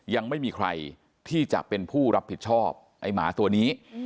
ยังไม่มีใครที่จะเป็นผู้รับผิดชอบไอ้หมาตัวนี้